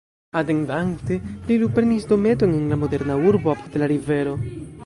Atendante, li luprenis dometon en la moderna urbo, apud la rivero.